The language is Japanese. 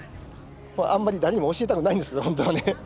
あんまり誰にも教えたくないんですけど本当はね。